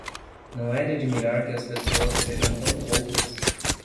Não é de admirar que as pessoas sejam tão poucas